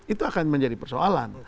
itu akan menjadi persoalan